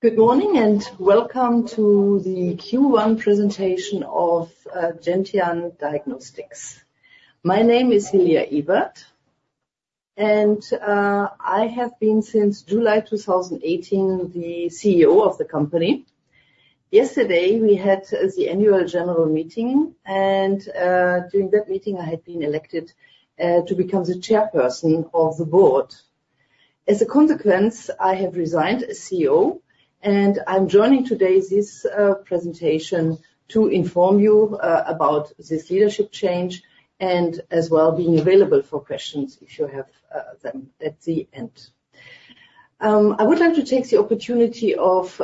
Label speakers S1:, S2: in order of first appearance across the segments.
S1: Good morning, and welcome to the Q1 presentation of Gentian Diagnostics. My name is Hilja Ibert, and I have been, since July 2018, the CEO of the company. Yesterday, we had the annual general meeting, and during that meeting, I had been elected to become the chairperson of the board. As a consequence, I have resigned as CEO, and I'm joining today this presentation to inform you about this leadership change and as well, being available for questions if you have them at the end. I would like to take the opportunity of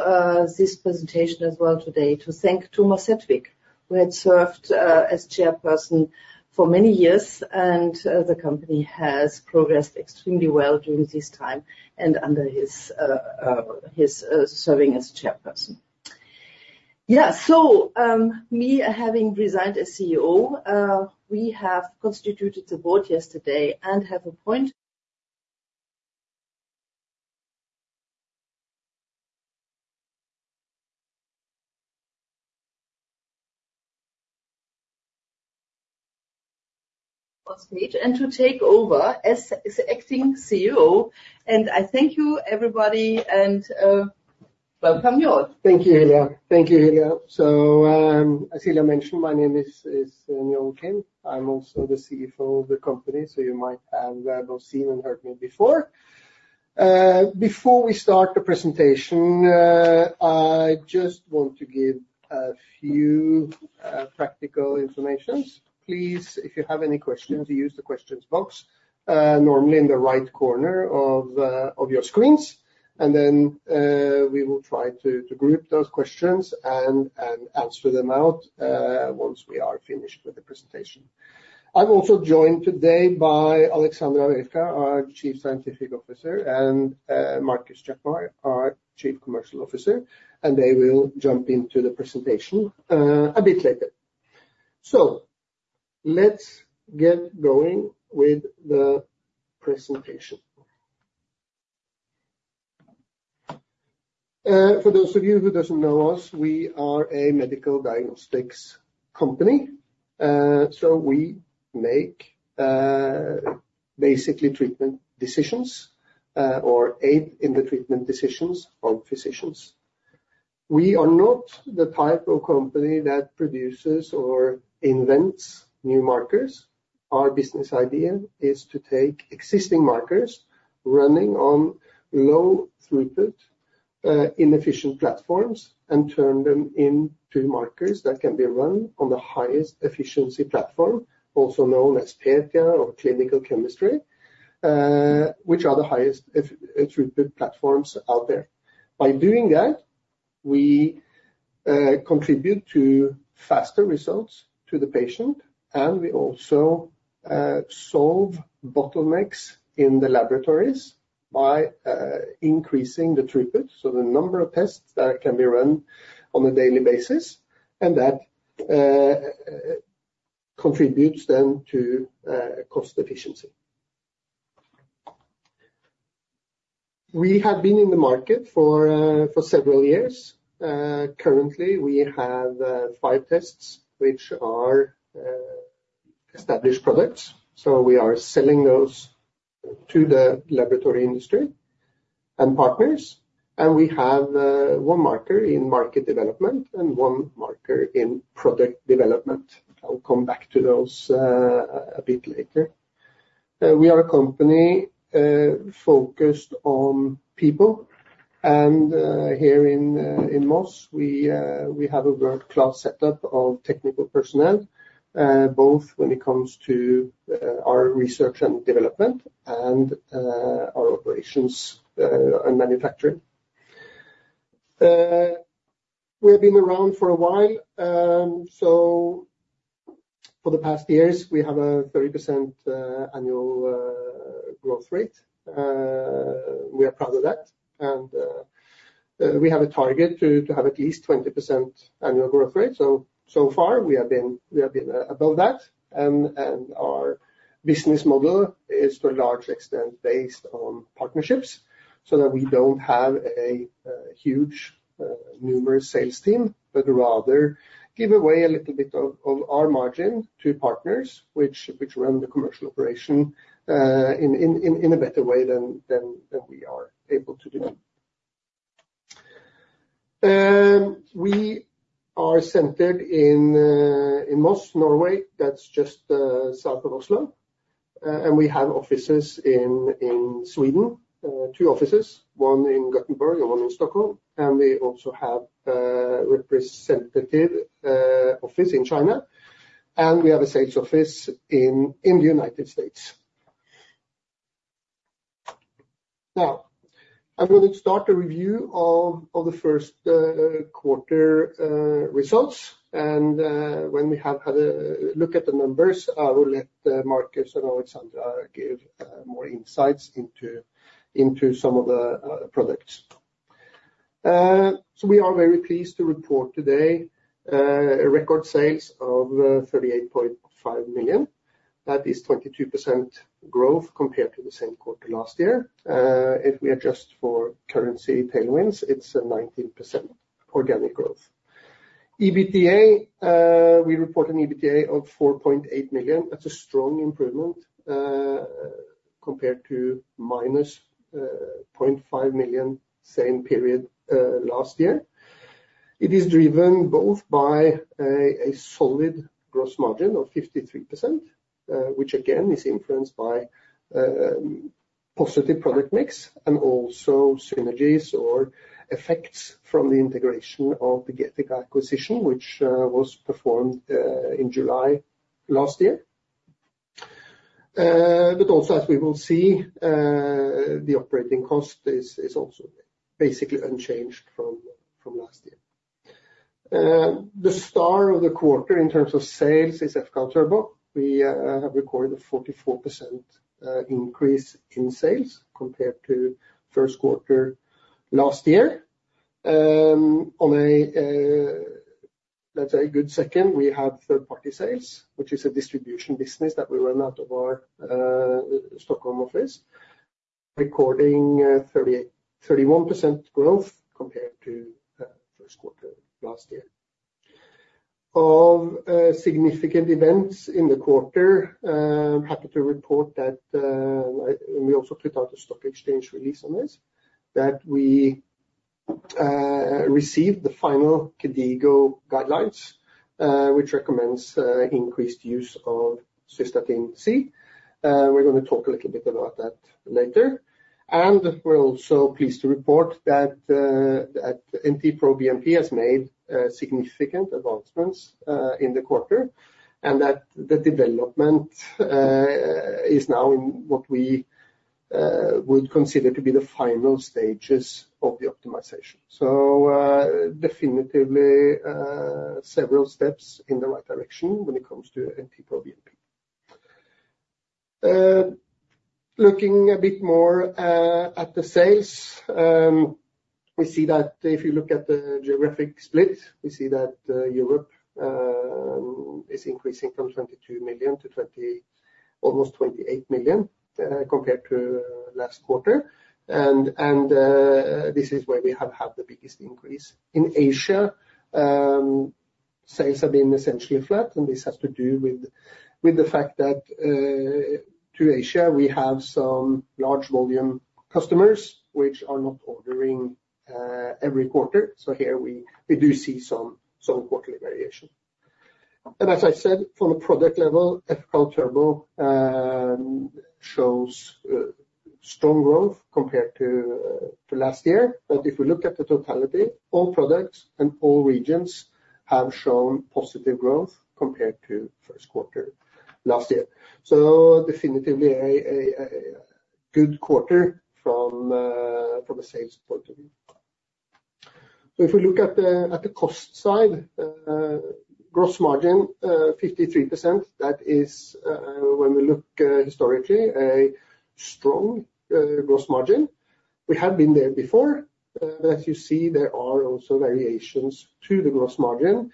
S1: this presentation as well today to thank Tomas Settevik, who had served as chairperson for many years, and the company has progressed extremely well during this time and under his serving as chairperson. Yeah, so, me having resigned as CEO, we have constituted the board yesterday and have appointed Njaal Kind to take over as acting CEO, and I thank you, everybody, and welcome, Njaal.
S2: Thank you, Hilja. Thank you, Hilja. So, as Hilja mentioned, my name is Njaal Kind. I'm also the CEO of the company, so you might have seen and heard me before. Before we start the presentation, I just want to give a few practical information. Please, if you have any questions, use the questions box, normally in the right corner of your screens, and then we will try to group those questions and answer them out once we are finished with the presentation. I'm also joined today by Aleksandra Havelka, our Chief Scientific Officer, and Markus Jaquemar, our Chief Commercial Officer, and they will jump into the presentation a bit later. So let's get going with the presentation. For those of you who doesn't know us, we are a medical diagnostics company. So we make basically treatment decisions or aid in the treatment decisions of physicians. We are not the type of company that produces or invents new markers. Our business idea is to take existing markers running on low throughput inefficient platforms and turn them into markers that can be run on the highest efficiency platform, also known as PETIA or clinical chemistry, which are the highest throughput platforms out there. By doing that, we contribute to faster results to the patient, and we also solve bottlenecks in the laboratories by increasing the throughput, so the number of tests that can be run on a daily basis, and that contributes then to cost efficiency. We have been in the market for several years. Currently, we have five tests, which are established products, so we are selling those to the laboratory industry and partners, and we have one marker in market development and one marker in product development. I'll come back to those a bit later. We are a company focused on people, and here in Moss, we have a world-class setup of technical personnel, both when it comes to our research and development and our operations and manufacturing. We have been around for a while, so for the past years, we have a 30% annual growth rate. We are proud of that, and we have a target to have at least 20% annual growth rate. So far, we have been above that, and our business model is, to a large extent, based on partnerships, so that we don't have a huge numerous sales team, but rather give away a little bit of our margin to partners, which run the commercial operation in a better way than we are able to do. We are centered in Moss, Norway, that's just south of Oslo, and we have offices in Sweden, two offices, one in Gothenburg and one in Stockholm, and we also have a representative office in China, and we have a sales office in the United States. Now, I'm going to start the review of the first quarter results, and when we have had a look at the numbers, I will let Marcus and Aleksandra give more insights into some of the products. So we are very pleased to report today a record sales of 38.5 million. That is 22% growth compared to the same quarter last year. If we adjust for currency tailwinds, it's a 19% organic growth. EBITDA, we report an EBITDA of 4.8 million. That's a strong improvement compared to -0.5 million, same period last year. It is driven both by a solid gross margin of 53%, which again, is influenced by positive product mix and also synergies or effects from the integration of the Getica acquisition, which was performed in July last year. But also, as we will see, the operating cost is also basically unchanged from last year. The star of the quarter in terms of sales is fCAL turbo. We have recorded a 44% increase in sales compared to first quarter last year. On a, let's say, good second, we have third party sales, which is a distribution business that we run out of our Stockholm office, recording 31% growth compared to first quarter last year. Of significant events in the quarter, I'm happy to report that and we also put out a stock exchange release on this, that we received the final KDIGO guidelines, which recommends increased use of Cystatin C. We're gonna talk a little bit about that later. And we're also pleased to report that NT-proBNP has made significant advancements in the quarter, and that the development is now in what we would consider to be the final stages of the optimization. So, definitively, several steps in the right direction when it comes to NT-proBNP. Looking a bit more at the sales, we see that if you look at the geographic split, we see that Europe is increasing from 22 million to almost 28 million compared to last quarter. And this is where we have had the biggest increase. In Asia, sales have been essentially flat, and this has to do with the fact that to Asia, we have some large volume customers which are not ordering every quarter. So here we do see some quarterly variation. And as I said, from a product level, fCAL turbo shows strong growth compared to last year. But if we look at the totality, all products and all regions have shown positive growth compared to first quarter last year. So definitively a good quarter from a sales point of view. So if we look at the cost side, gross margin, 53%, that is, when we look historically, a strong gross margin. We have been there before, but as you see, there are also variations to the gross margin,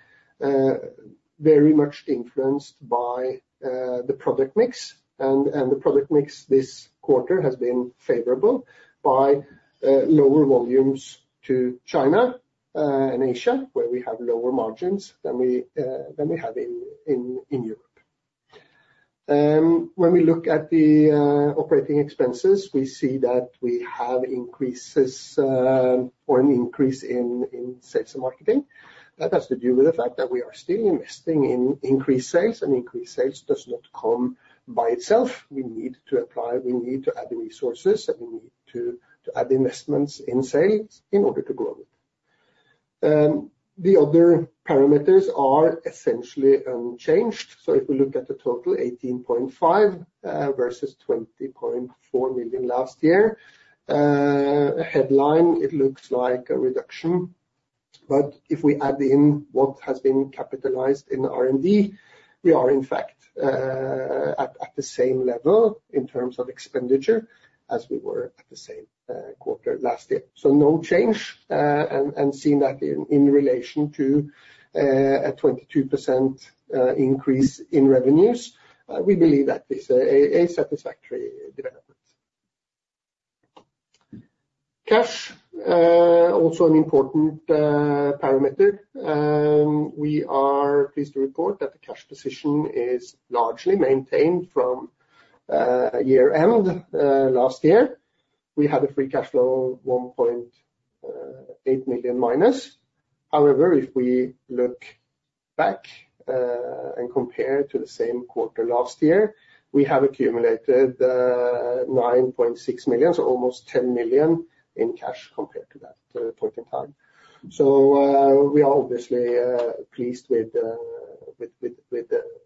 S2: very much influenced by the product mix. And the product mix this quarter has been favorable by lower volumes to China and Asia, where we have lower margins than we than we have in Europe. When we look at the operating expenses, we see that we have increases or an increase in sales and marketing. That has to do with the fact that we are still investing in increased sales, and increased sales does not come by itself. We need to apply, we need to add resources, and we need to add investments in sales in order to grow. The other parameters are essentially unchanged. So if we look at the total, 18.5 versus 20.4 million last year, headline, it looks like a reduction. But if we add in what has been capitalized in R&D, we are in fact at the same level in terms of expenditure as we were at the same quarter last year. So no change, and seeing that in relation to a 22% increase in revenues, we believe that is a satisfactory development. Cash also an important parameter. We are pleased to report that the cash position is largely maintained from year-end last year. We had a free cash flow, 1.8 million minus. However, if we look back and compare to the same quarter last year, we have accumulated 9.6 million, so almost 10 million, in cash compared to that point in time. So, we are obviously pleased with the--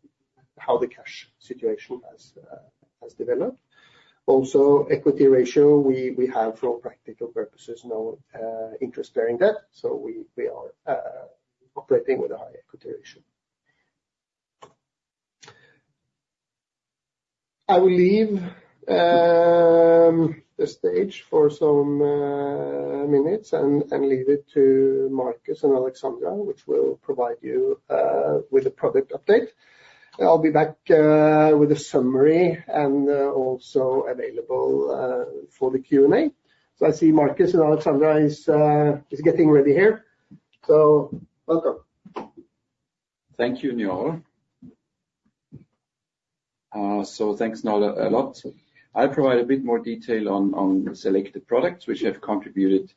S2: how the cash situation has developed. Also, equity ratio, we have, for practical purposes, no interest-bearing debt, so we are operating with a high-... I will leave the stage for some minutes and leave it to Markus and Aleksandra, which will provide you with a product update. I'll be back with a summary and also available for the Q&A. So I see Markus and Aleksandra is getting ready here, so welcome.
S3: Thank you, Njaal. Thanks Njaal a lot. I provide a bit more detail on selected products, which have contributed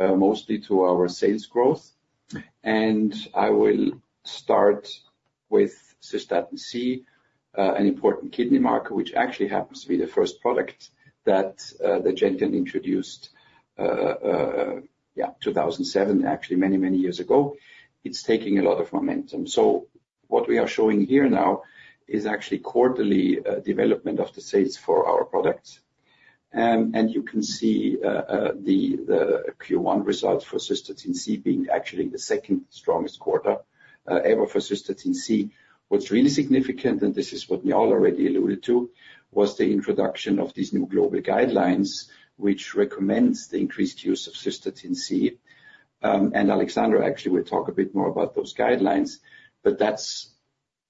S3: mostly to our sales growth. I will start with Cystatin C, an important kidney marker, which actually happens to be the first product that the Gentian introduced, yeah, 2007, actually many, many years ago. It's taking a lot of momentum. So what we are showing here now is actually quarterly development of the sales for our products. You can see the Q1 results for Cystatin C being actually the second strongest quarter ever for Cystatin C. What's really significant, and this is what Njaal already alluded to, was the introduction of these new global guidelines, which recommends the increased use of Cystatin C. And Alexandra actually will talk a bit more about those guidelines, but that's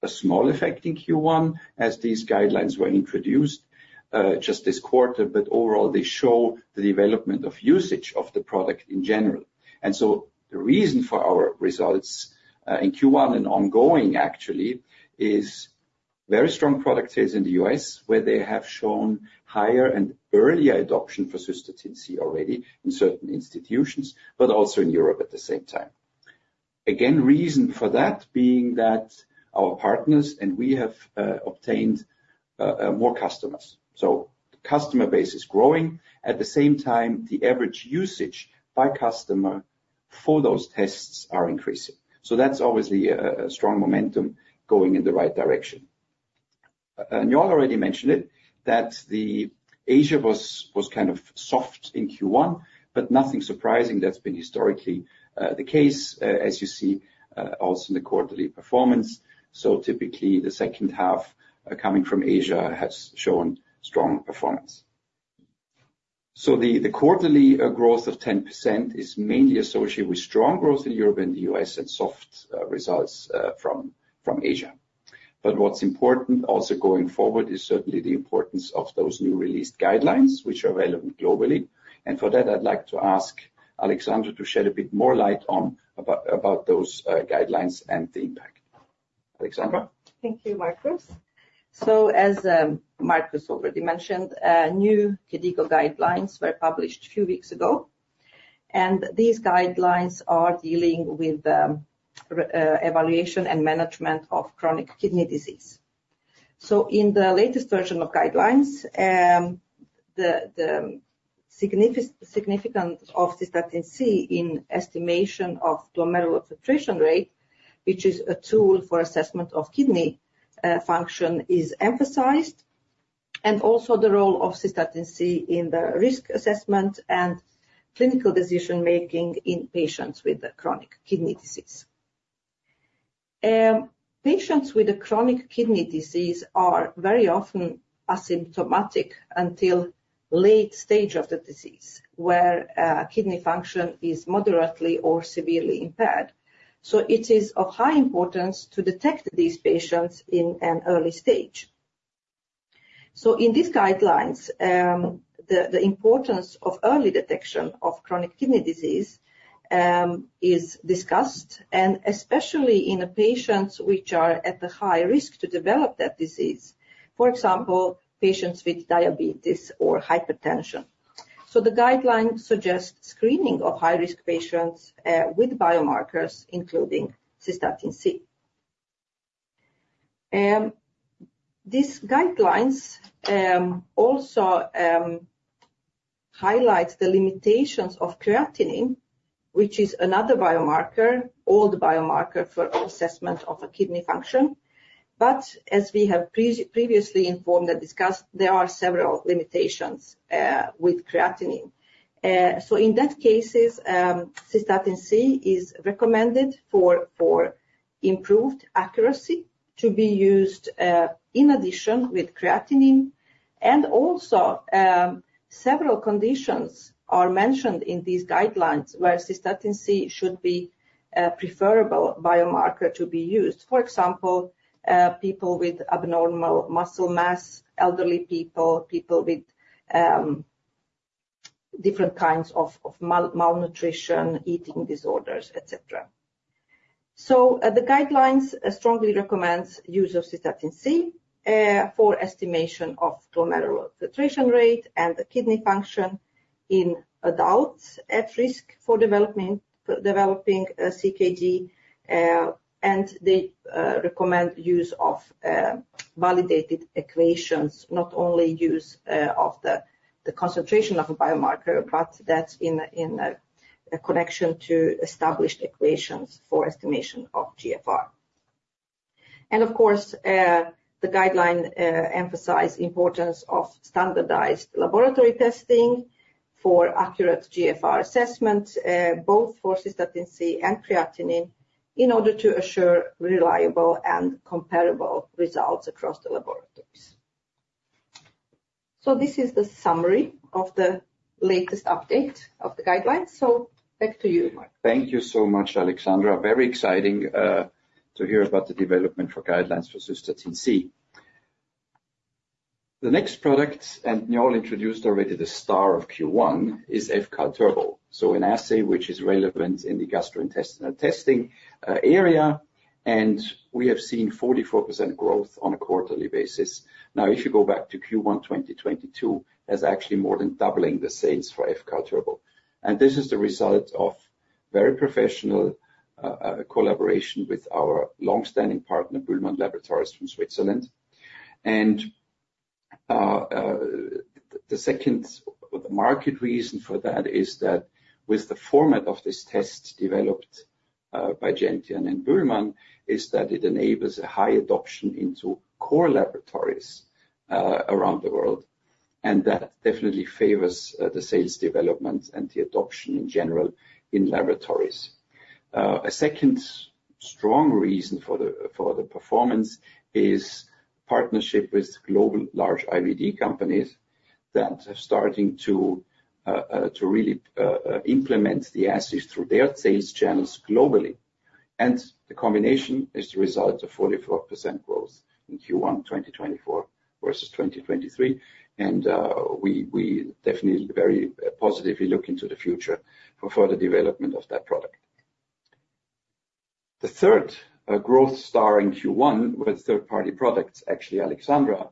S3: a small effect in Q1 as these guidelines were introduced just this quarter. But overall, they show the development of usage of the product in general. And so the reason for our results in Q1 and ongoing, actually, is very strong product sales in the U.S., where they have shown higher and earlier adoption for Cystatin C already in certain institutions, but also in Europe at the same time. Again, reason for that being that our partners and we have obtained more customers. So the customer base is growing. At the same time, the average usage by customer for those tests are increasing. So that's obviously a strong momentum going in the right direction. Njaal already mentioned it, that Asia was kind of soft in Q1, but nothing surprising. That's been historically the case as you see also in the quarterly performance. So typically, the second half coming from Asia has shown strong performance. So the quarterly growth of 10% is mainly associated with strong growth in Europe and the US and soft results from Asia. But what's important also going forward is certainly the importance of those new released guidelines, which are relevant globally. And for that, I'd like to ask Alexandra to shed a bit more light on about those guidelines and the impact. Alexandra?
S4: Thank you, Markus. So as Markus already mentioned, new clinical guidelines were published a few weeks ago, and these guidelines are dealing with re-evaluation and management of chronic kidney disease. So in the latest version of guidelines, the significance of Cystatin C in estimation of glomerular filtration rate, which is a tool for assessment of kidney function, is emphasized, and also the role of Cystatin C in the risk assessment and clinical decision-making in patients with chronic kidney disease. Patients with a chronic kidney disease are very often asymptomatic until late stage of the disease, where kidney function is moderately or severely impaired. So it is of high importance to detect these patients in an early stage. So in these guidelines, the importance of early detection of chronic kidney disease is discussed, and especially in the patients which are at the high risk to develop that disease, for example, patients with diabetes or hypertension. So the guidelines suggest screening of high-risk patients with biomarkers, including Cystatin C. These guidelines also highlight the limitations of creatinine, which is another biomarker, old biomarker for assessment of a kidney function. But as we have previously informed and discussed, there are several limitations with creatinine. So in that cases, Cystatin C is recommended for improved accuracy to be used in addition with creatinine. And also, several conditions are mentioned in these guidelines, where Cystatin C should be a preferable biomarker to be used. For example, people with abnormal muscle mass, elderly people, people with different kinds of malnutrition, eating disorders, et cetera. So the guidelines strongly recommends use of Cystatin C for estimation of glomerular filtration rate and the kidney function in adults at risk for developing CKD. And they recommend use of validated equations, not only use of the concentration of a biomarker, but that's in a connection to established equations for estimation of GFR. And of course, the guideline emphasize importance of standardized laboratory testing for accurate GFR assessment, both for Cystatin C and creatinine in order to assure reliable and comparable results across the laboratories. So this is the summary of the latest update of the guidelines. So back to you, Mike.
S3: Thank you so much, Alexandra. Very exciting to hear about the development for guidelines for Cystatin C. The next product, and Njaal introduced already the star of Q1, is fCAL turbo. So an assay which is relevant in the gastrointestinal testing area, and we have seen 44% growth on a quarterly basis. Now, if you go back to Q1 2022, that's actually more than doubling the sales for fCAL turbo. And this is the result of very professional collaboration with our long-standing partner, BÜHLMANN Laboratories, from Switzerland. And the second or the market reason for that is that with the format of this test developed by Gentian and BÜHLMANN is that it enables a high adoption into core laboratories around the world, and that definitely favors the sales development and the adoption in general in laboratories. A second strong reason for the performance is partnership with global large IVD companies that are starting to really implement the assays through their sales channels globally. And the combination is the result of 44% growth in Q1 2024 versus 2023. And we definitely very positively look into the future for further development of that product. The third growth star in Q1 with third-party products, actually, Alexandra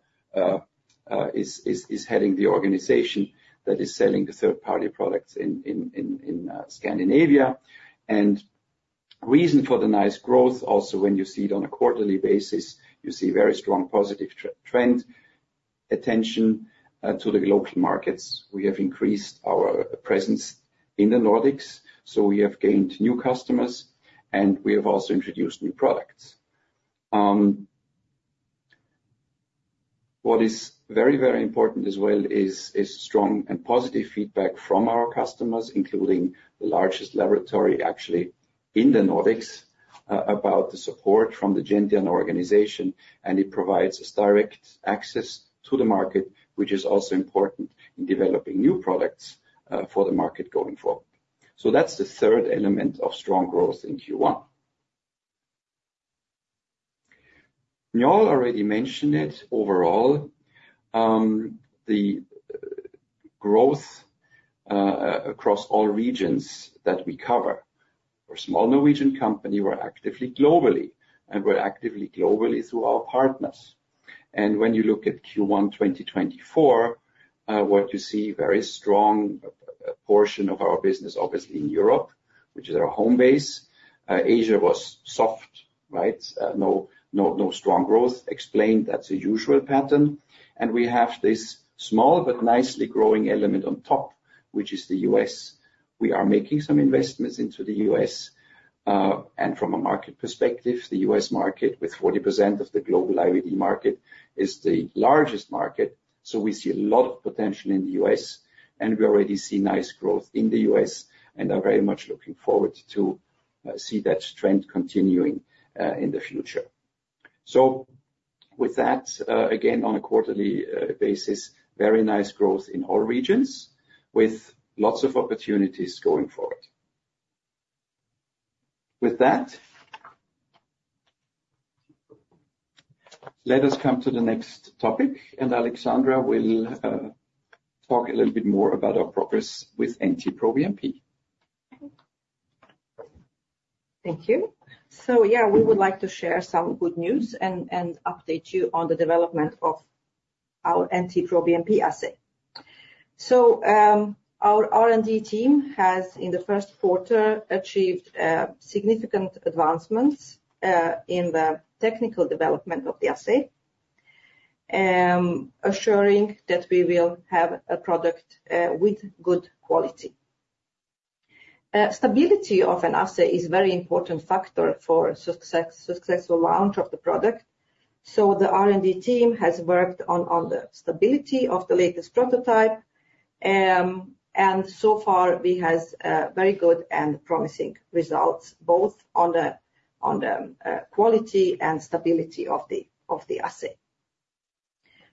S3: is heading the organization that is selling the third-party products in Scandinavia. And reason for the nice growth, also, when you see it on a quarterly basis, you see very strong positive trend, attention to the local markets. We have increased our presence in the Nordics, so we have gained new customers, and we have also introduced new products. What is very, very important as well is strong and positive feedback from our customers, including the largest laboratory, actually, in the Nordics, about the support from the Gentian organization, and it provides us direct access to the market, which is also important in developing new products for the market going forward. So that's the third element of strong growth in Q1. Njaal already mentioned it, overall, the growth across all regions that we cover. We're a small Norwegian company, we're active globally, and we're active globally through our partners. And when you look at Q1 2024, what you see, very strong portion of our business, obviously in Europe, which is our home base. Asia was soft, right? No, no, no strong growth. Explained, that's a usual pattern. We have this small but nicely growing element on top, which is the U.S. We are making some investments into the U.S., and from a market perspective, the U.S. market, with 40% of the global IVD market, is the largest market. So we see a lot of potential in the U.S., and we already see nice growth in the U.S. and are very much looking forward to see that trend continuing in the future. So with that, again, on a quarterly basis, very nice growth in all regions, with lots of opportunities going forward. With that, let us come to the next topic, and Aleksandra will talk a little bit more about our progress with NT-proBNP.
S4: Thank you. So yeah, we would like to share some good news and update you on the development of our NT-proBNP assay. So, our R&D team has, in the first quarter, achieved significant advancements in the technical development of the assay, assuring that we will have a product with good quality. Stability of an assay is very important factor for successful launch of the product, so the R&D team has worked on the stability of the latest prototype. And so far we has very good and promising results, both on the quality and stability of the assay.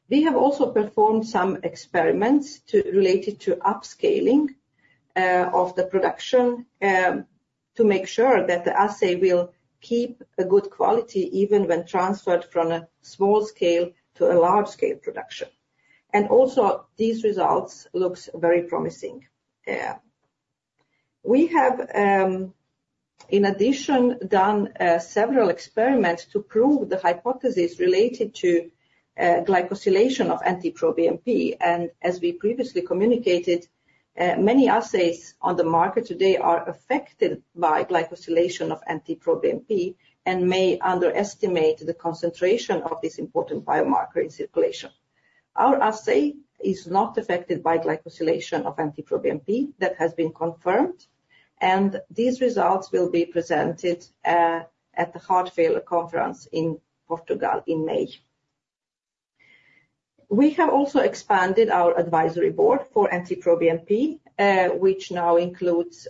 S4: We have also performed some experiments related to upscaling of the production to make sure that the assay will keep a good quality, even when transferred from a small scale to a large scale production. These results look very promising. We have in addition done several experiments to prove the hypothesis related to glycosylation of NT-proBNP. And as we previously communicated, many assays on the market today are affected by glycosylation of NT-proBNP and may underestimate the concentration of this important biomarker in circulation. Our assay is not affected by glycosylation of NT-proBNP. That has been confirmed, and these results will be presented at the Heart Failure conference in Portugal in May. We have also expanded our advisory board for NT-proBNP, which now includes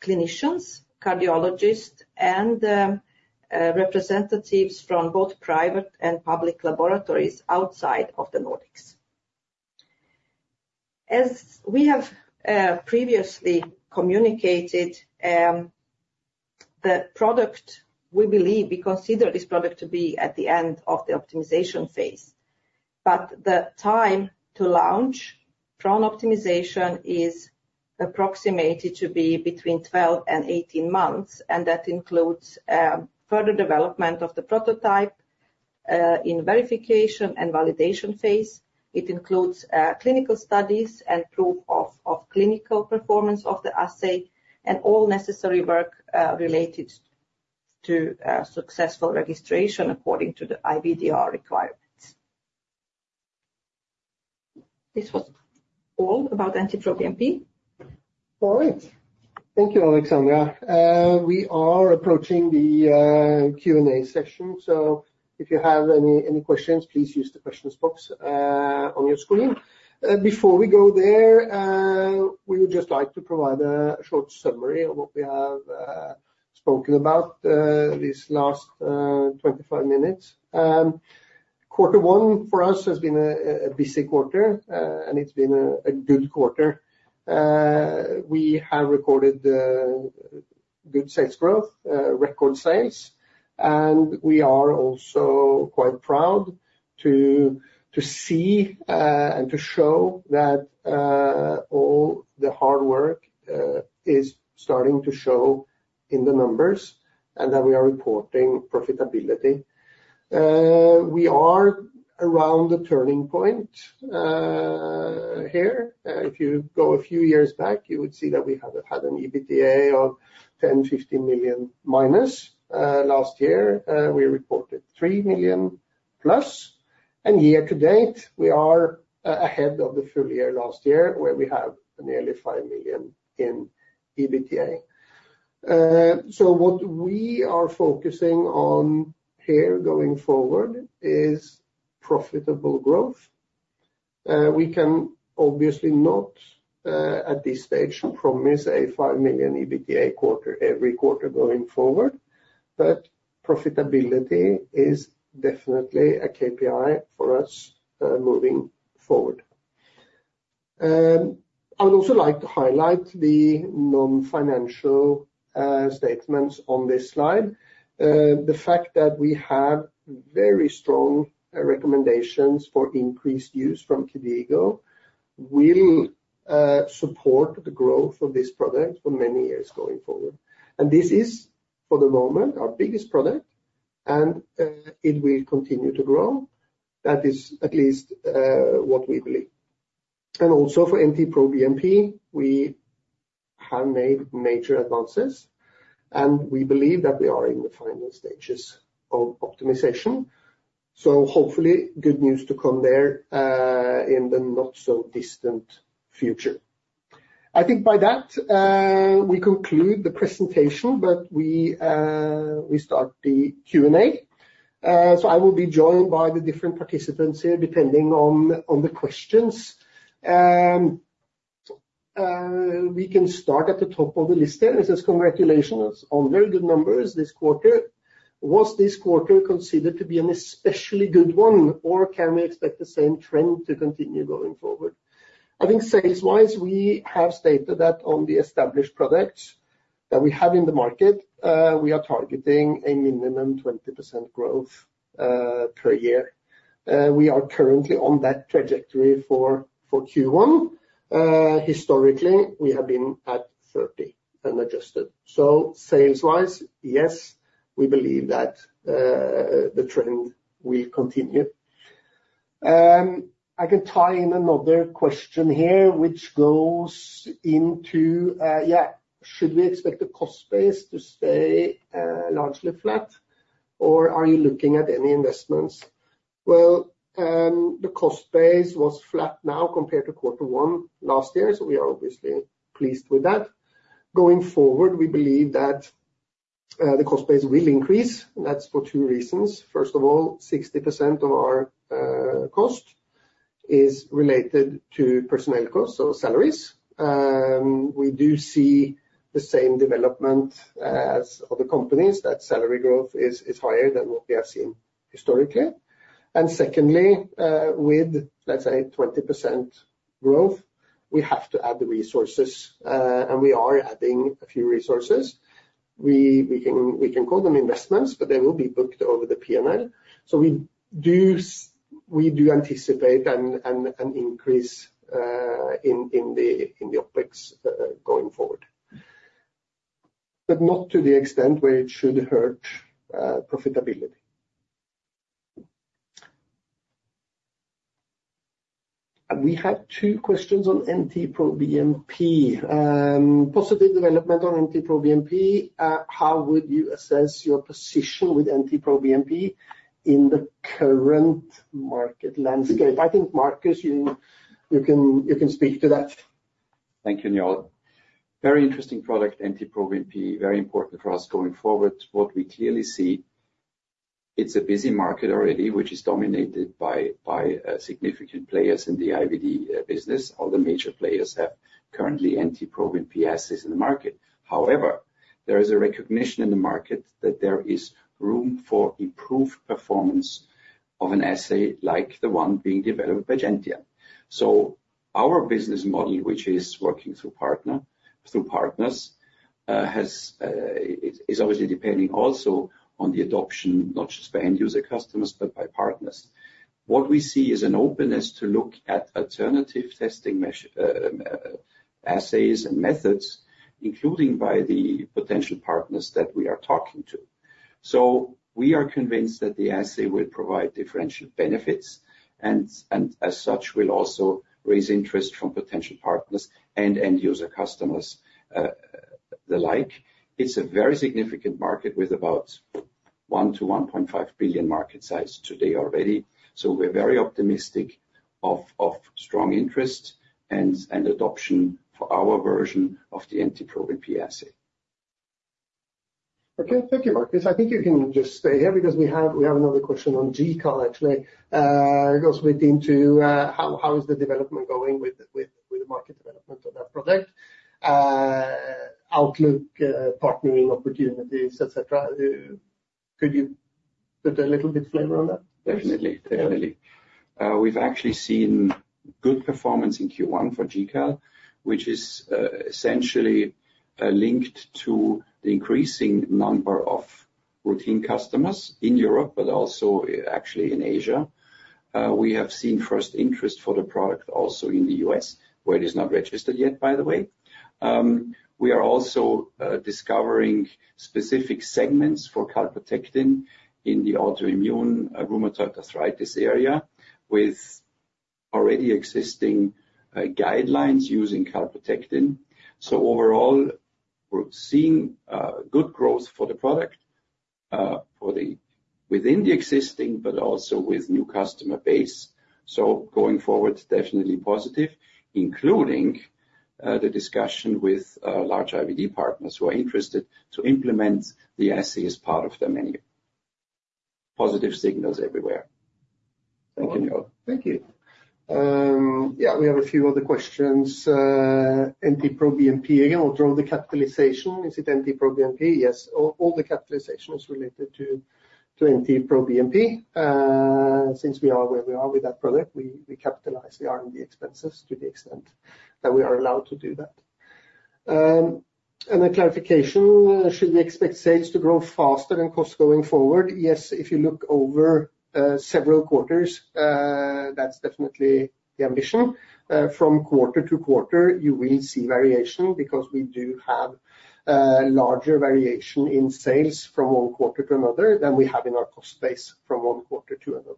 S4: clinicians, cardiologists, and representatives from both private and public laboratories outside of the Nordics. As we have previously communicated, the product, we believe, we consider this product to be at the end of the optimization phase. But the time to launch from optimization is approximated to be between 12 and 18 months, and that includes further development of the prototype in verification and validation phase. It includes clinical studies and proof of clinical performance of the assay, and all necessary work related to successful registration according to the IVDR requirements. This was all about NT-proBNP.
S2: All right. Thank you, Aleksandra. We are approaching the Q&A session, so if you have any, any questions, please use the questions box on your screen. Before we go there, we would just like to provide a short summary of what we have spoken about this last 25 minutes. Quarter one for us has been a busy quarter, and it's been a good quarter. We have recorded good sales growth, record sales, and we are also quite proud to see and to show that all the hard work is starting to show in the numbers, and that we are reporting profitability. We are around the turning point here. If you go a few years back, you would see that we have had an EBITDA of -10-15 million. Last year, we reported 3 million plus, and year to date, we are ahead of the full year last year, where we have nearly 5 million in EBITDA. So what we are focusing on here going forward is profitable growth. We can obviously not, at this stage promise a 5 million EBITDA quarter, every quarter going forward, but profitability is definitely a KPI for us, moving forward. I would also like to highlight the non-financial statements on this slide. The fact that we have very strong recommendations for increased use from KDIGO will support the growth of this product for many years going forward. This is, for the moment, our biggest product, and it will continue to grow. That is at least what we believe. Also for NT-proBNP, we have made major advances, and we believe that we are in the final stages of optimization. Hopefully, good news to come there in the not-so-distant future. I think by that we conclude the presentation, but we start the Q&A. I will be joined by the different participants here, depending on the questions. We can start at the top of the list here. It says: Congratulations on very good numbers this quarter. Was this quarter considered to be an especially good one, or can we expect the same trend to continue going forward? I think sales-wise, we have stated that on the established products that we have in the market, we are targeting a minimum 20% growth per year. We are currently on that trajectory for Q1. Historically, we have been at 30 unadjusted. So sales-wise, yes, we believe that the trend will continue. I can tie in another question here, which goes into yeah, should we expect the cost base to stay largely flat, or are you looking at any investments? Well, the cost base was flat now compared to quarter one last year, so we are obviously pleased with that. Going forward, we believe that the cost base will increase, and that's for two reasons. First of all, 60% of our cost is related to personnel costs, so salaries. We do see the same development as other companies, that salary growth is higher than what we have seen historically. And secondly, with let's say 20% growth, we have to add the resources, and we are adding a few resources. We can call them investments, but they will be booked over the P&L. So we do anticipate an increase in the OpEx going forward, but not to the extent where it should hurt profitability. And we have two questions on NT-proBNP. Positive development on NT-proBNP, how would you assess your position with NT-proBNP in the current market landscape? I think, Markus, you can speak to that....
S3: Thank you, Njaal. Very interesting product, NT-proBNP, very important for us going forward. What we clearly see, it's a busy market already, which is dominated by significant players in the IVD business. All the major players have currently NT-proBNP assays in the market. However, there is a recognition in the market that there is room for improved performance of an assay like the one being developed by Gentian. So our business model, which is working through partners, is obviously depending also on the adoption, not just by end user customers, but by partners. What we see is an openness to look at alternative testing measure assays and methods, including by the potential partners that we are talking to. We are convinced that the assay will provide differential benefits, and as such, will also raise interest from potential partners and end user customers, the like. It's a very significant market with about $1-1.5 billion market size today already. We're very optimistic of strong interest and adoption for our version of the NT-proBNP assay.
S2: Okay, thank you, Marcus. I think you can just stay here because we have another question on G-Cal, actually. It goes into how is the development going with the market development of that product, outlook, partnering opportunities, et cetera. Could you put a little bit flavor on that?
S3: Definitely, definitely. We've actually seen good performance in Q1 for GCAL, which is essentially linked to the increasing number of routine customers in Europe, but also actually in Asia. We have seen first interest for the product also in the US, where it is not registered yet, by the way. We are also discovering specific segments for calprotectin in the autoimmune rheumatoid arthritis area, with already existing guidelines using calprotectin. So overall, we're seeing good growth for the product within the existing, but also with new customer base. So going forward, definitely positive, including the discussion with large IVD partners who are interested to implement the assay as part of their menu. Positive signals everywhere. Thank you, Njaal.
S2: Thank you. Yeah, we have a few other questions, NT-proBNP, you know, draw the capitalization, is it NT-proBNP? Yes, all the capitalization is related to NT-proBNP. Since we are where we are with that product, we capitalize the R&D expenses to the extent that we are allowed to do that. And a clarification, should we expect sales to grow faster than cost going forward? Yes, if you look over several quarters, that's definitely the ambition. From quarter to quarter, you will see variation, because we do have larger variation in sales from one quarter to another than we have in our cost base from one quarter to another.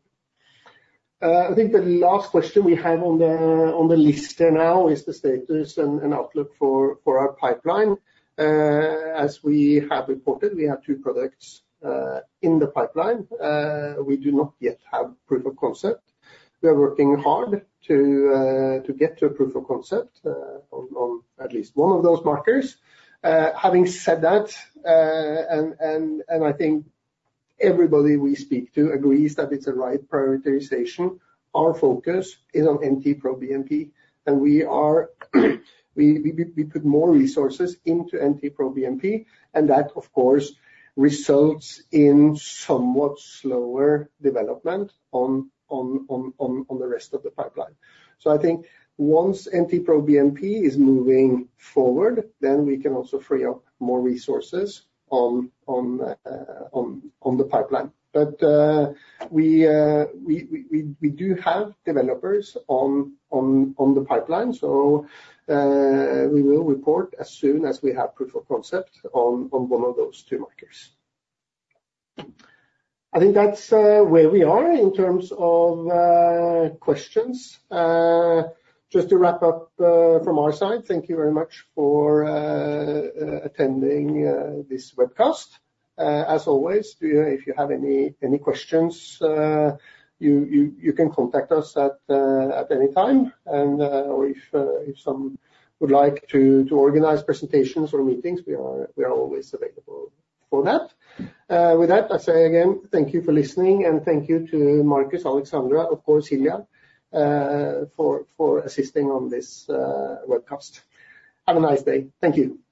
S2: I think the last question we have on the list here now is the status and outlook for our pipeline. As we have reported, we have two products in the pipeline. We do not yet have proof of concept. We are working hard to get to a proof of concept on at least one of those markers. Having said that, I think everybody we speak to agrees that it's the right prioritization. Our focus is on NT-proBNP, and we put more resources into NT-proBNP, and that, of course, results in somewhat slower development on the rest of the pipeline. So I think once NT-proBNP is moving forward, then we can also free up more resources on the pipeline. But we do have developers on the pipeline, so we will report as soon as we have proof of concept on one of those two markers. I think that's where we are in terms of questions. Just to wrap up, from our side, thank you very much for attending this webcast. As always, if you have any questions, you can contact us at any time. Or if some would like to organize presentations or meetings, we are always available for that. With that, I say again, thank you for listening, and thank you to Markus, Aleksandra, of course, Hilja, for assisting on this webcast. Have a nice day. Thank you.